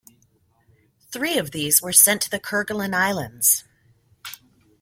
Three of these were sent to the Kerguelen Islands.